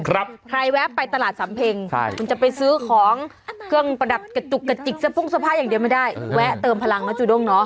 ใครแวะไปตลาดสำเพ็งมันจะไปซื้อของเครื่องประดับจุกซะพุ่งสภาพอย่างเดียวไม่ได้แวะเติมพลังนะจูด้งเนาะ